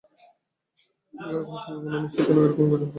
কিন্তু যেখানে তার কোনো সম্ভাবনা নেই সেখানে এরকম গুজব রটানো কত বড়ো অন্যায়!